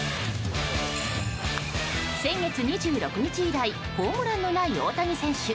先月２６日以来ホームランのない大谷選手。